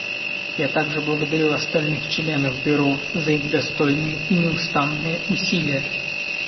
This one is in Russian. Я также благодарю остальных членов Бюро за их достойные и неустанные усилия.